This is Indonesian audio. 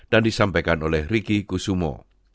dan disampaikan oleh ricky kusumo